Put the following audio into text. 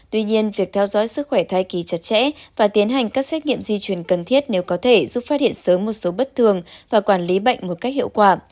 tuy nhiên việc theo dõi sức khỏe thai kỳ chặt chẽ và tiến hành các xét nghiệm di chuyển cần thiết nếu có thể giúp phát hiện sớm một số bất thường và quản lý bệnh một cách hiệu quả